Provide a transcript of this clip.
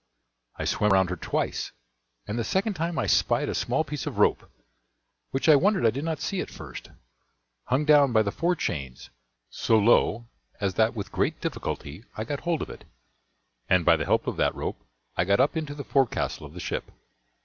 I swam round her twice, and the second time I spied a small piece of rope, which I wondered I did not see at first, hung down by the fore chains so low as that with great difficulty I got hold of it, and by the help of that rope I got up into the forecastle of the ship.